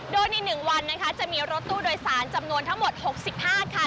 โดยใน๑วันนะคะจะมีรถตู้โดยสารจำนวนทั้งหมด๖๕คัน